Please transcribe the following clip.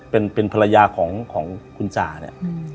เป็นเป็นภรรยาของของคุณจ๋าเนี่ยอืม